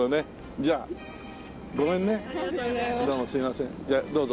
じゃあどうぞ。